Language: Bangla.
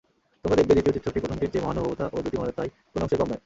তোমরা দেখবে, দ্বিতীয় চিত্রটি প্রথমটির চেয়ে মহানুভবতা ও দ্যুতিময়তায় কোন অংশেই কম নয়।